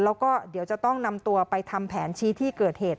แล้วก็เดี๋ยวจะต้องนำตัวไปทำแผนชี้ที่เกิดเหตุ